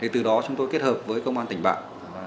thì từ đó chúng tôi kết hợp với công an tỉnh bạ